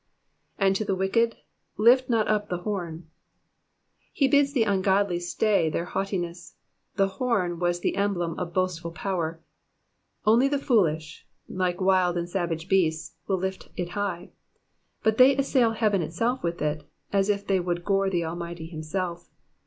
'"Arid to the wicked. Lift not up the horn.'" He bids the ungodly stay their haughtiness. The horn was the emblem of boastful power ; only the foolish, like wild and savage beasts, will lift it high ; but they assail heaven itself with it, as if they would gore the Almighty himself.